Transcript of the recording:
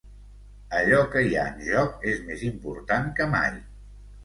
Allò que hi ha en joc és més important que mai.